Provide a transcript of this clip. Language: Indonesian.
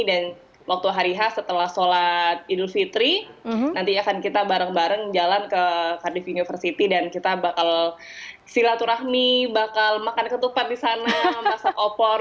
dan waktu hari khas setelah sholat idul fitri nanti akan kita bareng bareng jalan ke cardiff university dan kita bakal silaturahmi bakal makan ketupat di sana masak opor